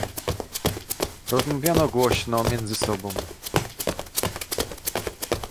"Rozmawiano głośno między sobą."